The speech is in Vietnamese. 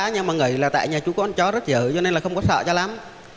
nhưng mà người là tại nhà chú con chó rất dữ cho nên là không có sợ cho lắm